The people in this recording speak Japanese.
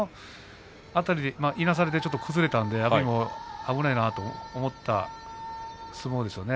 いなされて崩れたので阿炎も危ないなと思った相撲だったんでしょうね。